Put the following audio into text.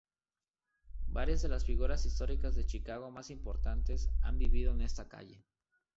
Varias de las figuras históricas de Chicago más importantes han vivido en esta calle.